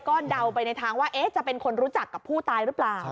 ก็เดาไปในทางว่าจะเป็นคนรู้จักกับผู้ตายหรือเปล่า